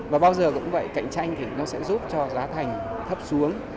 và bao giờ cũng vậy cạnh tranh thì nó sẽ giúp cho giá thành thấp xuống